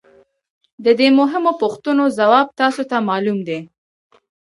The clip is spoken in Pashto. د دې مهمو پوښتنو ځواب تاسو ته معلوم دی